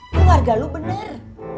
keluarga lo bener